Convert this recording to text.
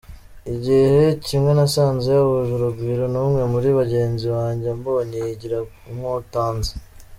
Igihe kimwe nasanze yahuje urugwiro n’ umwe muri bagenzi banjye ambonye yigira nk’ utanzi.